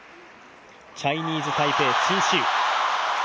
チャイニーズ・タイペイ、陳思羽。